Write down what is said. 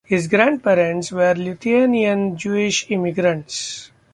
His grandparents were Lithuanian Jewish immigrants.